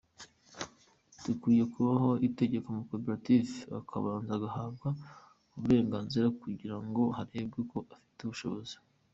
Hakwiye kubaho itegeko, amakoperative akabanza agahabwa uburenganzira kugira ngo harebwe ko afite ubushobozi.